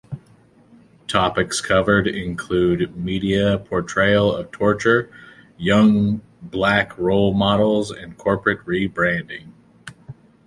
Topics covered included media portrayal of torture, young black role models and corporate rebranding.